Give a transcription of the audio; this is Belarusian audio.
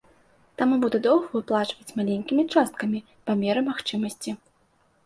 Таму буду доўг выплачваць маленькімі часткамі, па меры магчымасці.